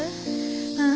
うん。